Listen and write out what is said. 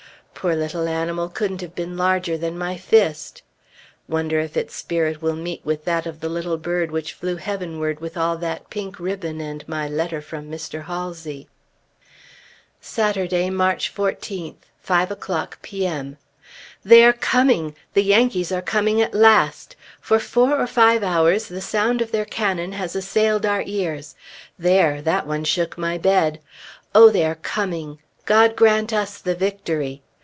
Poor little animal couldn't have been larger than my fist. Wonder if its spirit will meet with that of the little bird which flew heavenward with all that pink ribbon and my letter from Mr. Halsey? Saturday, March 14th. 5 o'clock, P.M. They are coming! The Yankees are coming at last! For four or five hours the sound of their cannon has assailed our ears. There! that one shook my bed! Oh, they are coming! God grant us the victory!